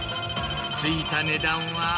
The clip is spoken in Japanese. ついた値段は。